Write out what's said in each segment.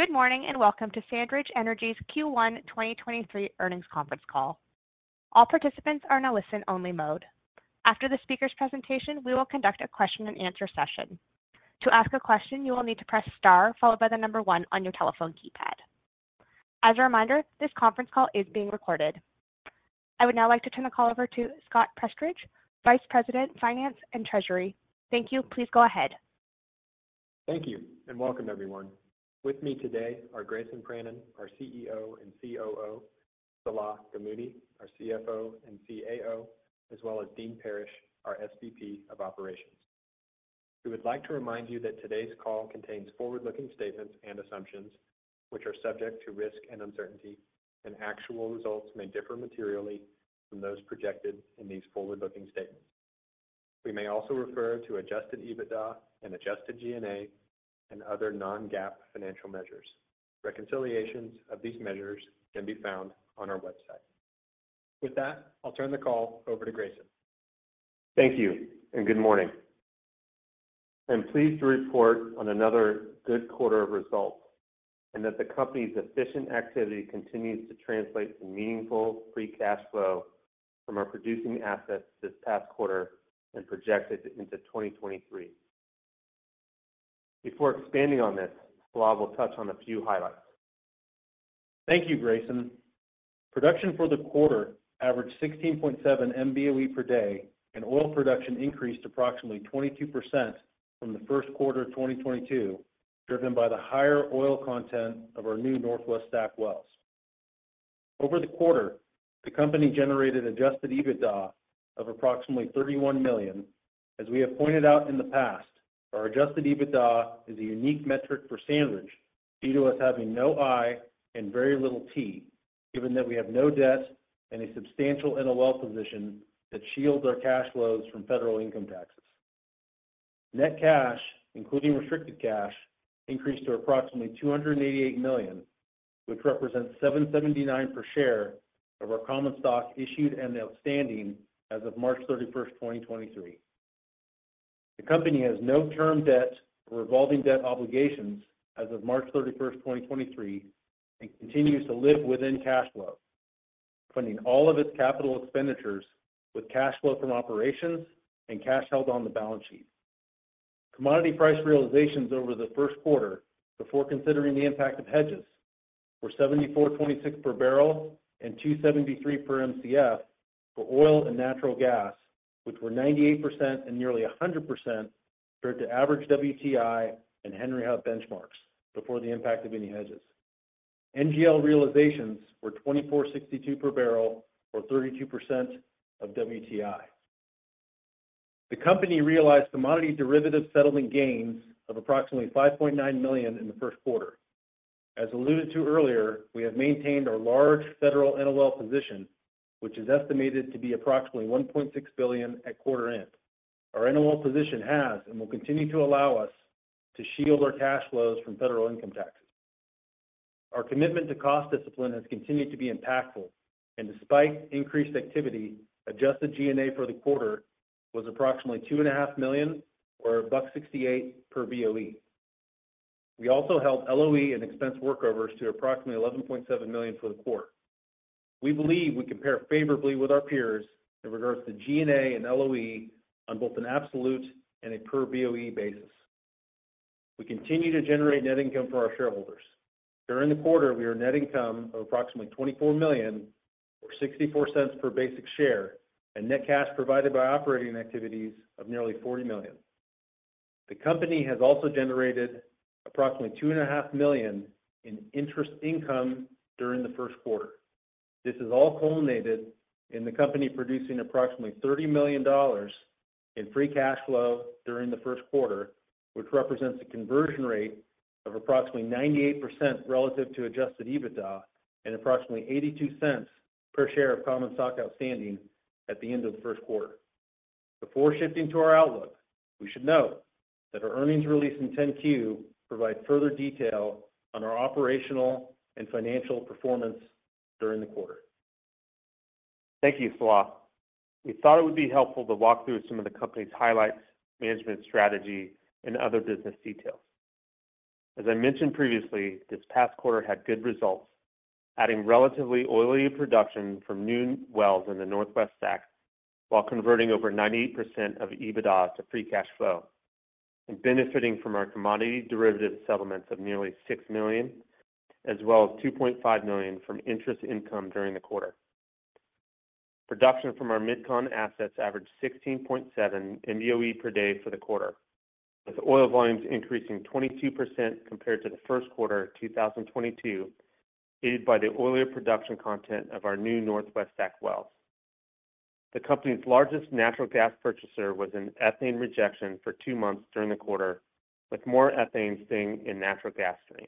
Good morning, welcome to SandRidge Energy's Q1 2023 earnings conference call. All participants are in a listen-only mode. After the speaker's presentation, we will conduct a question-and-answer session. To ask a question, you will need to press star followed by 1 on your telephone keypad. As a reminder, this conference call is being recorded. I would now like to turn the call over to Scott Prestridge, Vice President, Finance and Treasury. Thank you. Please go ahead. Thank you, welcome everyone. With me today are Grayson Pranin, our CEO and COO, Salah Gamoudi, our CFO and CAO, as well as Dean Parrish, our SVP of Operations. We would like to remind you that today's call contains forward-looking statements and assumptions, which are subject to risk and uncertainty, and actual results may differ materially from those projected in these forward-looking statements. We may also refer to adjusted EBITDA and adjusted G&A and other non-GAAP financial measures. Reconciliations of these measures can be found on our website. With that, I'll turn the call over to Grayson. Thank you and good morning. I'm pleased to report on another good quarter of results, that the company's efficient activity continues to translate to meaningful free cash flow from our producing assets this past quarter and projected into 2023. Before expanding on this, Salah will touch on a few highlights. Thank you, Grayson. Production for the quarter averaged 16.7 MBOE per day, and oil production increased approximately 22% from the first quarter of 2022, driven by the higher oil content of our new Northwest STACK wells. Over the quarter, the company generated adjusted EBITDA of approximately $31 million. As we have pointed out in the past, our adjusted EBITDA is a unique metric for SandRidge, due to us having no I and very little T, given that we have no debt and a substantial NOL position that shields our cash flows from federal income taxes. Net cash, including restricted cash, increased to approximately $288 million, which represents $7.79 per share of our common stock issued and outstanding as of March 31st, 2023. The company has no term debt or revolving debt obligations as of March 31, 2023, and continues to live within cash flow, funding all of its capital expenditures with cash flow from operations and cash held on the balance sheet. Commodity price realizations over the first quarter, before considering the impact of hedges, were $74.26 per barrel and $2.73 per Mcf for oil and natural gas, which were 98% and nearly 100% compared to average WTI and Henry Hub benchmarks before the impact of any hedges. NGL realizations were $24.62 per barrel, or 32% of WTI. The company realized commodity derivative settlement gains of approximately $5.9 million in the first quarter. As alluded to earlier, we have maintained our large federal NOL position, which is estimated to be approximately $1.6 billion at quarter end. Our NOL position has and will continue to allow us to shield our cash flows from federal income taxes. Our commitment to cost discipline has continued to be impactful, and despite increased activity, adjusted G&A for the quarter was approximately $2.5 million, or $1.68 per BOE. We also held LOE and expense workovers to approximately $11.7 million for the quarter. We believe we compare favorably with our peers in regards to G&A and LOE on both an absolute and a per BOE basis. We continue to generate net income for our shareholders. During the quarter, we earned net income of approximately $24 million, or $0.64 per basic share, and net cash provided by operating activities of nearly $40 million. The company has also generated approximately $2.5 million in interest income during the first quarter. This has all culminated in the company producing approximately $30 million in free cash flow during the first quarter, which represents a conversion rate of approximately 98% relative to adjusted EBITDA and approximately $0.82 per share of common stock outstanding at the end of the first quarter. Before shifting to our outlook, we should note that our earnings release and 10-Q provide further detail on our operational and financial performance during the quarter. Thank you, Salah. We thought it would be helpful to walk through some of the company's highlights, management strategy, and other business details. As I mentioned previously, this past quarter had good results, adding relatively oily production from new wells in the Northwest STACK, while converting over 98% of EBITDA to free cash flow and benefiting from our commodity derivative settlements of nearly $6 million, as well as $2.5 million from interest income during the quarter. Production from our MidCon assets averaged 16.7 MBOE per day for the quarter, with oil volumes increasing 22% compared to the first quarter of 2022, aided by the oilier production content of our new Northwest STACK wells. The company's largest natural gas purchaser was in ethane rejection for two months during the quarter, with more ethane staying in natural gas stream.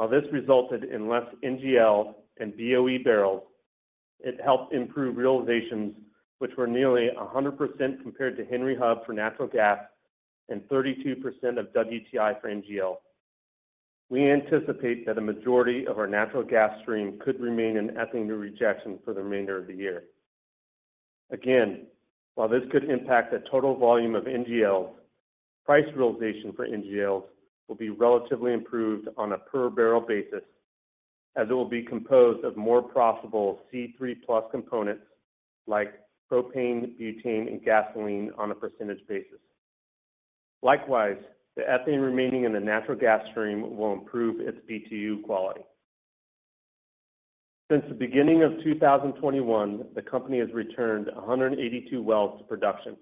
While this resulted in less NGL and BOE barrels, it helped improve realizations, which were nearly 100% compared to Henry Hub for natural gas and 32% of WTI for NGL. We anticipate that a majority of our natural gas stream could remain in ethane rejection for the remainder of the year. While this could impact the total volume of NGLs, price realization for NGLs will be relatively improved on a per barrel basis as it will be composed of more profitable C3+ components like propane, butane, and gasoline on a percentage basis. The ethane remaining in the natural gas stream will improve its BTU quality. Since the beginning of 2021, the company has returned 182 wells to production.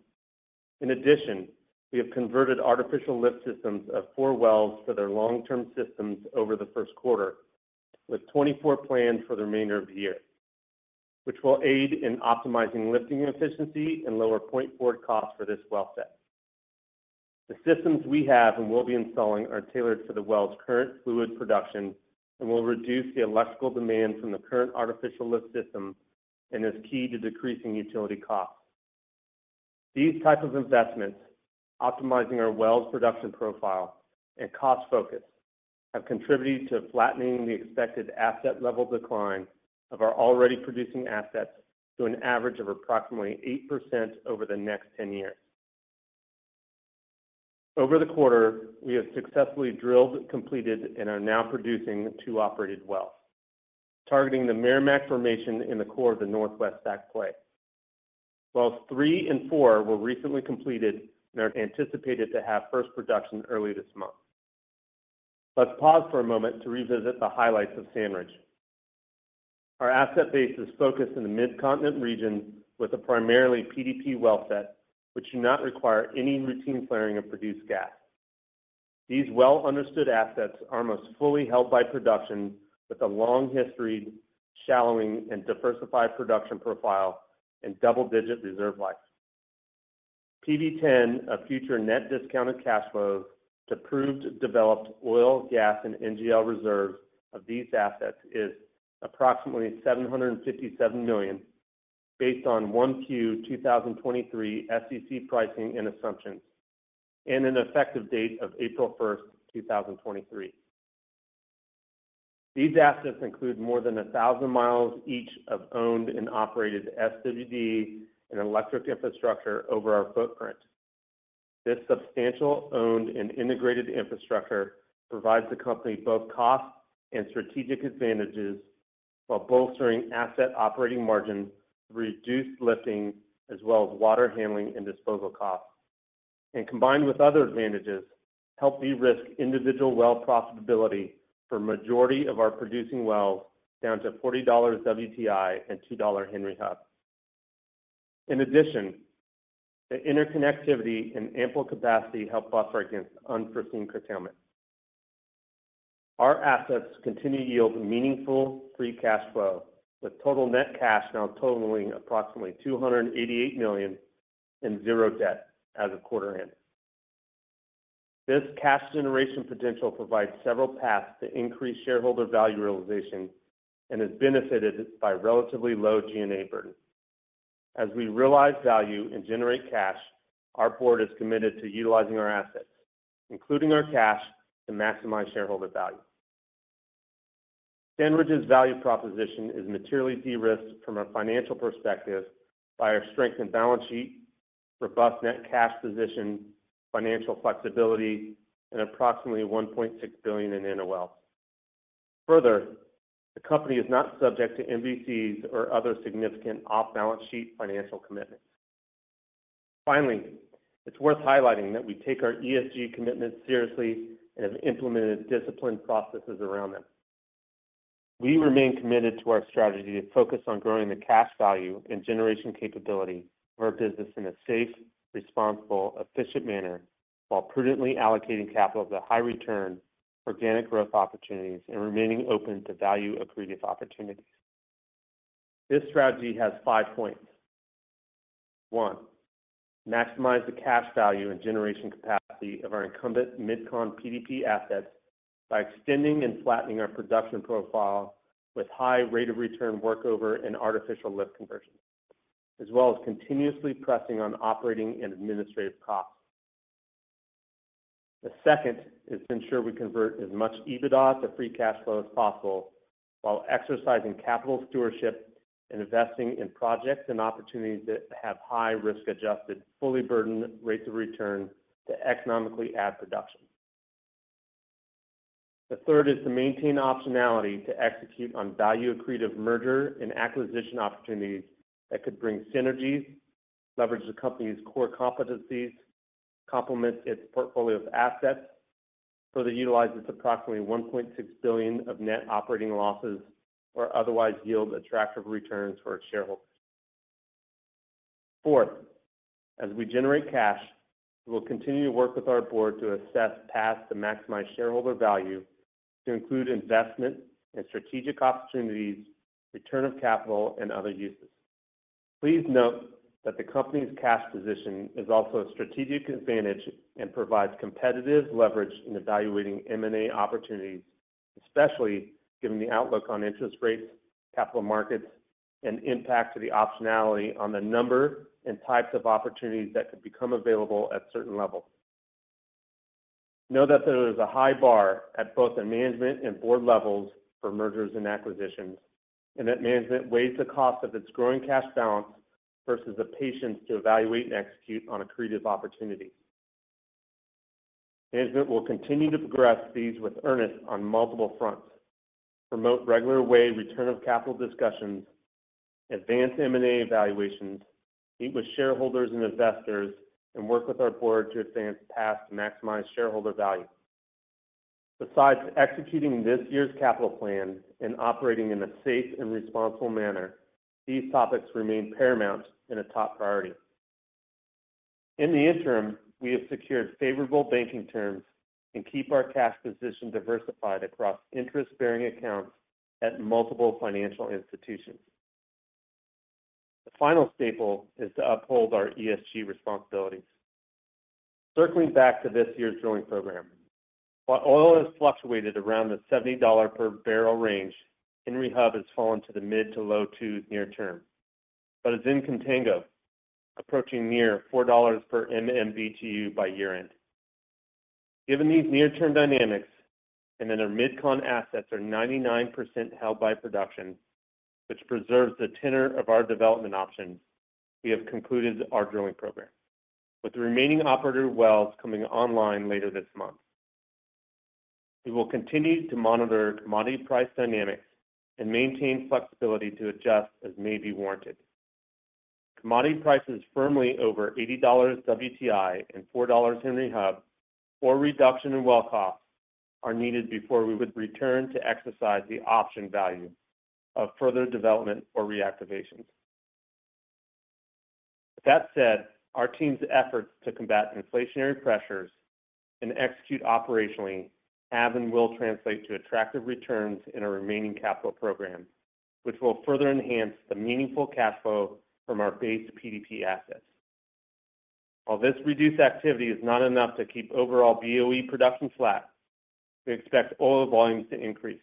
We have converted artificial lift systems of four wells to their long-term systems over the first quarter, with 24 planned for the remainder of the year, which will aid in optimizing lifting efficiency and lower point forward costs for this well set. The systems we have and will be installing are tailored for the well's current fluid production and will reduce the electrical demand from the current artificial lift system and is key to decreasing utility costs. These type of investments, optimizing our wells production profile, and cost focus have contributed to flattening the expected asset level decline of our already producing assets to an average of approximately 8% over the next 10 years. Over the quarter, we have successfully drilled, completed, and are now producing 2 operated wells, targeting the Meramec formation in the core of the Northwest STACK play. Wells 3 and 4 were recently completed and are anticipated to have first production early this month. Let's pause for a moment to revisit the highlights of Sandridge. Our asset base is focused in the Midcontinent region with a primarily PDP well set, which do not require any routine flaring of produced gas. These well-understood assets are almost fully held by production with a long history, shallowing, and diversified production profile and double-digit reserve life. PV10 of future net discounted cash flow to proved developed oil, gas, and NGL reserves of these assets is approximately $757 million based on 1Q 2023 SEC pricing and assumptions and an effective date of April 1, 2023. These assets include more than 1,000 miles each of owned and operated SWD and electric infrastructure over our footprint. This substantial owned and integrated infrastructure provides the company both cost and strategic advantages while bolstering asset operating margins, reduced lifting, as well as water handling and disposal costs, and combined with other advantages, help de-risk individual well profitability for majority of our producing wells down to $40 WTI and $2 Henry Hub. In addition, the interconnectivity and ample capacity help buffer against unforeseen curtailment. Our assets continue to yield meaningful free cash flow, with total net cash now totaling approximately $288 million and zero debt as of quarter end. This cash generation potential provides several paths to increase shareholder value realization and is benefited by relatively low G&A burden. As we realize value and generate cash, our board is committed to utilizing our assets, including our cash, to maximize shareholder value. SandRidge's value proposition is materially de-risked from a financial perspective by our strengthened balance sheet, robust net cash position, financial flexibility, and approximately $1.6 billion in NOLs. The company is not subject to MVCs or other significant off-balance sheet financial commitments. It's worth highlighting that we take our ESG commitments seriously and have implemented disciplined processes around them. We remain committed to our strategy to focus on growing the cash value and generation capability of our business in a safe, responsible, efficient manner while prudently allocating capital to high return organic growth opportunities and remaining open to value accretive opportunities. This strategy has five points. One, maximize the cash value and generation capacity of our incumbent MidCon PDP assets by extending and flattening our production profile with high rate of return workover and artificial lift conversions, as well as continuously pressing on operating and administrative costs. The second is ensure we convert as much EBITDA to free cash flow as possible while exercising capital stewardship and investing in projects and opportunities that have high risk-adjusted, fully burdened rates of return to economically add production. The third is to maintain optionality to execute on value accretive merger and acquisition opportunities that could bring synergies, leverage the company's core competencies, complement its portfolio of assets, further utilize its approximately $1.6 billion of net operating losses, or otherwise yield attractive returns for its shareholders. Fourth, as we generate cash, we'll continue to work with our board to assess paths to maximize shareholder value to include investment and strategic opportunities, return of capital, and other uses. Please note that the company's cash position is also a strategic advantage and provides competitive leverage in evaluating M&A opportunities, especially given the outlook on interest rates, capital markets, and impact to the optionality on the number and types of opportunities that could become available at certain levels. Know that there is a high bar at both the management and board levels for mergers and acquisitions, and that management weighs the cost of its growing cash balance versus the patience to evaluate and execute on accretive opportunities. Management will continue to progress these with earnest on multiple fronts, promote regular way return of capital discussions, advance M&A evaluations, meet with shareholders and investors, and work with our board to advance paths to maximize shareholder value. Besides executing this year's capital plan and operating in a safe and responsible manner, these topics remain paramount and a top priority. In the interim, we have secured favorable banking terms and keep our cash position diversified across interest-bearing accounts at multiple financial institutions. The final staple is to uphold our ESG responsibilities. Circling back to this year's drilling program, while oil has fluctuated around the $70 per barrel range, Henry Hub has fallen to the mid to low twos near term, but is in contango, approaching near $4 per MMBtu by year-end. Given these near-term dynamics and that our MidCon assets are 99% held by production, which preserves the tenor of our development options, we have concluded our drilling program, with the remaining operator wells coming online later this month. We will continue to monitor commodity price dynamics and maintain flexibility to adjust as may be warranted. Commodity prices firmly over $80 WTI and $4 Henry Hub or reduction in well costs are needed before we would return to exercise the option value of further development or reactivations. With that said, our team's efforts to combat inflationary pressures and execute operationally have and will translate to attractive returns in our remaining capital program, which will further enhance the meaningful cash flow from our base PDP assets. While this reduced activity is not enough to keep overall BOE production flat, we expect oil volumes to increase.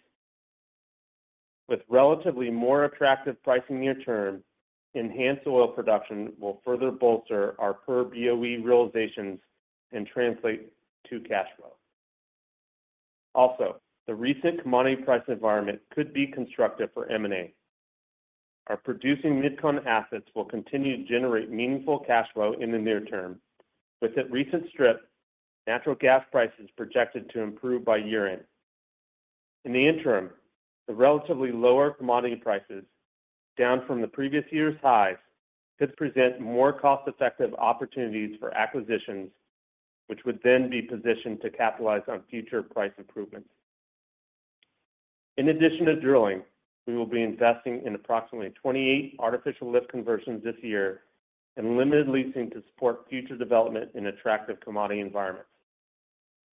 With relatively more attractive pricing near term, enhanced oil production will further bolster our per BOE realizations and translate to cash flow. The recent commodity price environment could be constructive for M&A. Our producing MidCon assets will continue to generate meaningful cash flow in the near term. With the recent strip, natural gas price is projected to improve by year-end. In the interim, the relatively lower commodity prices, down from the previous year's highs, could present more cost-effective opportunities for acquisitions, which would then be positioned to capitalize on future price improvements. In addition to drilling, we will be investing in approximately 28 artificial lift conversions this year and limited leasing to support future development in attractive commodity environments.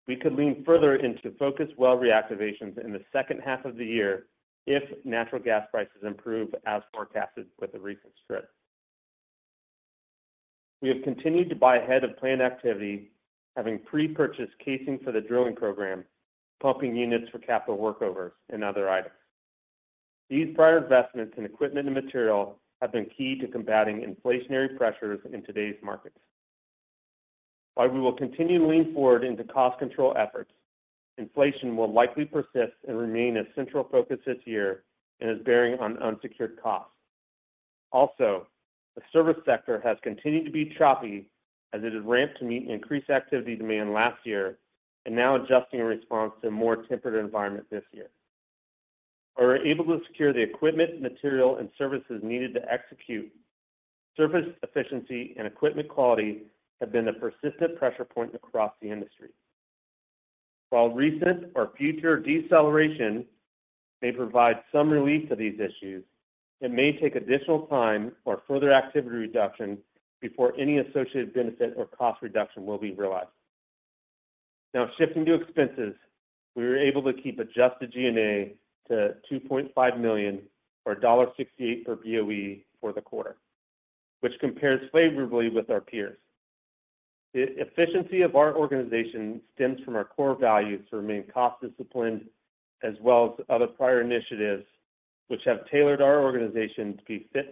We could lean further into focused well reactivations in the second half of the year if natural gas prices improve as forecasted with the recent strip. We have continued to buy ahead of planned activity, having pre-purchased casing for the drilling program, pumping units for capital workovers, and other items. These prior investments in equipment and material have been key to combating inflationary pressures in today's markets. While we will continue to lean forward into cost control efforts, inflation will likely persist and remain a central focus this year and is bearing on unsecured costs. Also, the service sector has continued to be choppy as it has ramped to meet increased activity demand last year and now adjusting in response to a more tempered environment this year. Although we are able to secure the equipment, material, and services needed to execute, service efficiency and equipment quality have been a persistent pressure point across the industry. While recent or future deceleration may provide some relief to these issues, it may take additional time or further activity reduction before any associated benefit or cost reduction will be realized. Now shifting to expenses, we were able to keep adjusted G&A to $2.5 million or $1.68 per BOE for the quarter, which compares favorably with our peers. The efficiency of our organization stems from our core values to remain cost disciplined as well as other prior initiatives which have tailored our organization to be fit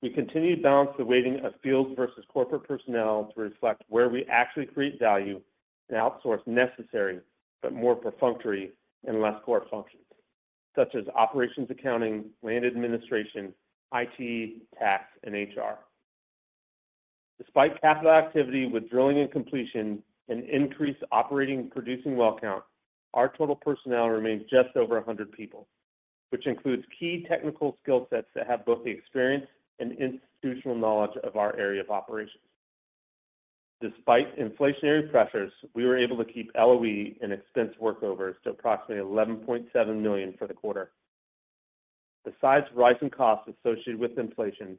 for purpose. We continue to balance the weighting of field versus corporate personnel to reflect where we actually create value and outsource necessary but more perfunctory and less core functions, such as operations accounting, land administration, IT, tax, and HR. Despite capital activity with drilling and completion and increased operating and producing well count, our total personnel remains just over 100 people, which includes key technical skill sets that have both the experience and institutional knowledge of our area of operations. Despite inflationary pressures, we were able to keep LOE and expense workovers to approximately $11.7 million for the quarter. Besides rising costs associated with inflation,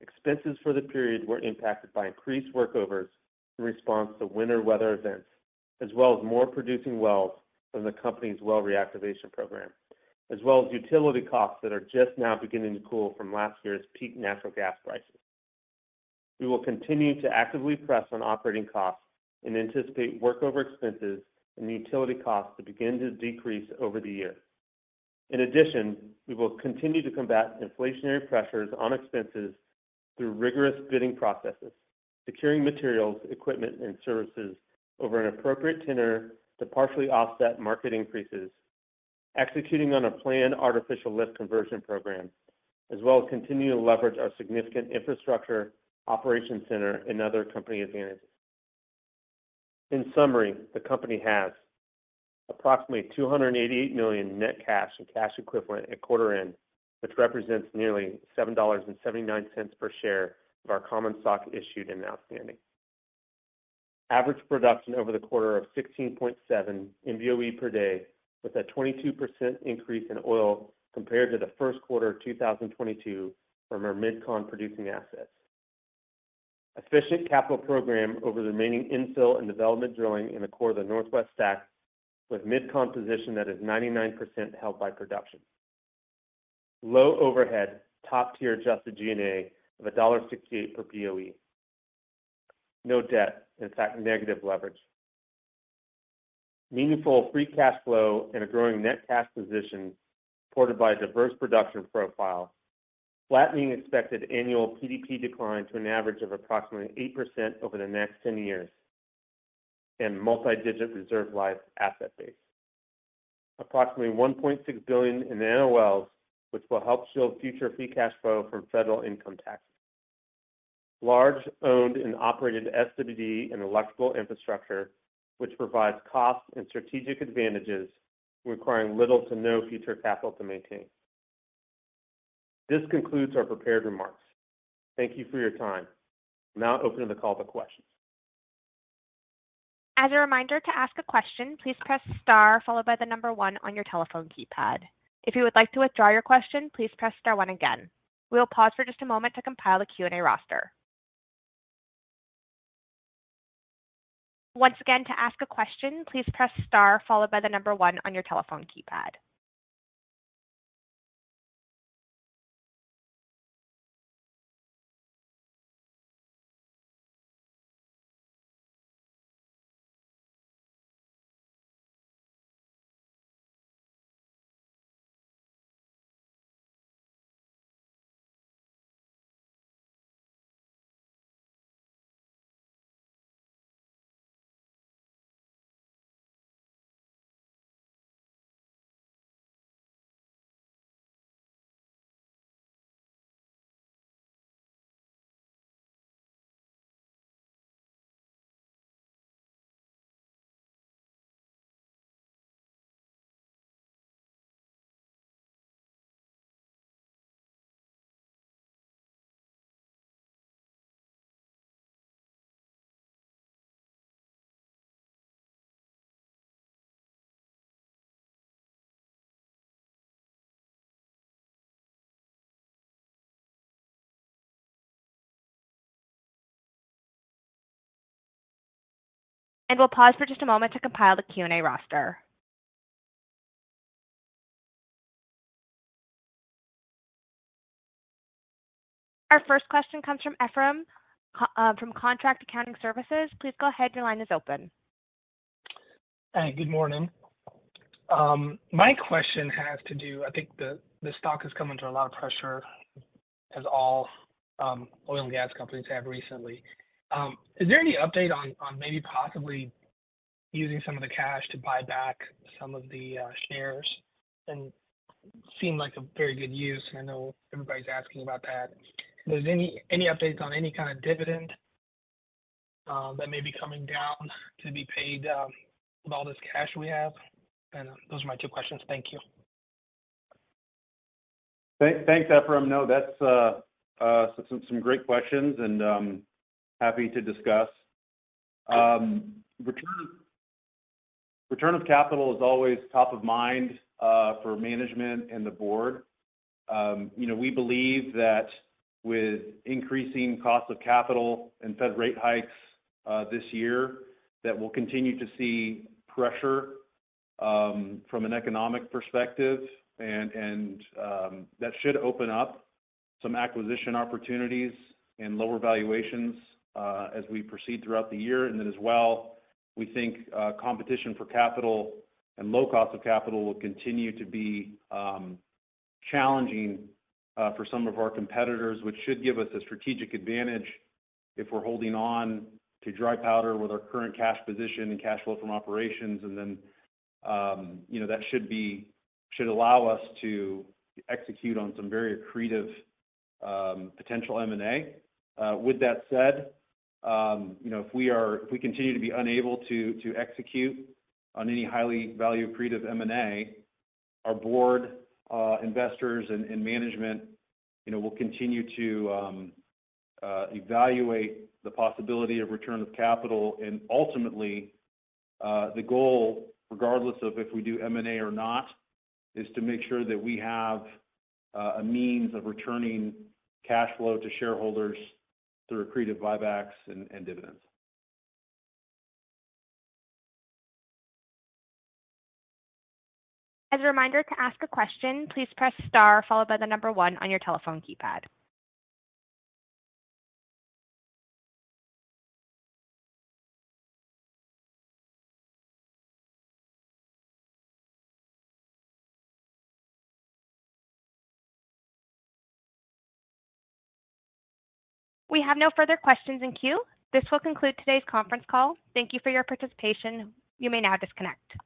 expenses for the period were impacted by increased workovers in response to winter weather events, as well as more producing wells from the company's well reactivation program, as well as utility costs that are just now beginning to cool from last year's peak natural gas prices. We will continue to actively press on operating costs and anticipate workover expenses and utility costs to begin to decrease over the year. We will continue to combat inflationary pressures on expenses through rigorous bidding processes, securing materials, equipment, and services over an appropriate tenor to partially offset market increases, executing on a planned artificial lift conversion program, as well as continue to leverage our significant infrastructure, operation center and other company advantages. In summary, the company has approximately $288 million net cash and cash equivalent at quarter end, which represents nearly $7.79 per share of our common stock issued and outstanding. Average production over the quarter of 16.7 MBOE per day, with a 22% increase in oil compared to the first quarter of 2022 from our MidCon producing assets. Efficient capital program over the remaining infill and development drilling in the core of the Northwest STACK with MidCon position that is 99% held by production. Low overhead, top-tier adjusted G&A of $1.68 per BOE. No debt, in fact, negative leverage. Meaningful free cash flow and a growing net cash position supported by a diverse production profile. Flattening expected annual PDP decline to an average of approximately 8% over the next 10 years. Multi-digit reserve life asset base. Approximately $1.6 billion in NOLs, which will help shield future free cash flow from federal income tax. Large owned and operated SWD and electrical infrastructure, which provides cost and strategic advantages requiring little to no future capital to maintain. This concludes our prepared remarks. Thank you for your time. We'll now open the call to questions. As a reminder to ask a question, please press star followed by the number 1 on your telephone keypad. If you would like to withdraw your question, please press star 1 again. We'll pause for just a moment to compile a Q&A roster. Once again, to ask a question, please press star followed by the number 1 on your telephone keypad. We'll pause for just a moment to compile the Q&A roster. Our first question comes from Ephraim, from Contract Accounting Services. Please go ahead. Your line is open. Hi. Good morning. My question. I think the stock has come under a lot of pressure as all oil and gas companies have recently. Is there any update on maybe possibly using some of the cash to buy back some of the shares and seem like a very good use. I know everybody's asking about that. If there's any updates on any kind of dividend that may be coming down to be paid with all this cash we have? Those are my two questions. Thank you. Thanks, Ephraim. No, that's some great questions and happy to discuss. Return of capital is always top of mind for management and the board. You know, we believe that with increasing cost of capital and Fed rate hikes this year, that we'll continue to see pressure from an economic perspective and that should open up some acquisition opportunities and lower valuations as we proceed throughout the year. As well, we think competition for capital and low cost of capital will continue to be challenging for some of our competitors, which should give us a strategic advantage if we're holding on to dry powder with our current cash position and cash flow from operations. You know, that should allow us to execute on some very accretive, potential M&A. With that said, you know, if we continue to be unable to execute on any highly value accretive M&A, our board, investors and management, you know, will continue to evaluate the possibility of return of capital. Ultimately, the goal, regardless of if we do M&A or not, is to make sure that we have a means of returning cash flow to shareholders through accretive buybacks and dividends. As a reminder to ask a question, please press star followed by the number one on your telephone keypad. We have no further questions in queue. This will conclude today's conference call. Thank you for your participation. You may now disconnect.